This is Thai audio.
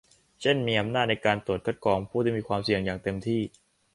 เช่น มีอำนาจในการตรวจคัดกรองผู้ที่มีความเสี่ยงอย่างเต็มที่